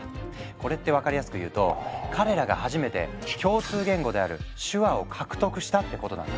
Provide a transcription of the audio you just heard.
これってわかりやすくいうと彼らが初めて共通言語である「手話」を獲得したってことなんだ。